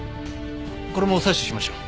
これも採取しましょう。